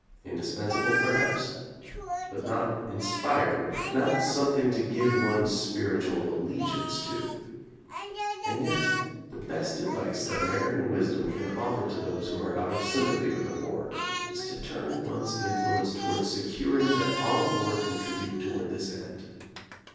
Indispens able, perhaps? But not inspiring; not something to give one's spiritual allegiance to. And yet the best advice that American wisdom can offer to those who are out of sympathy with the war is to turn one's influence toward securing that our war contribute toward this end.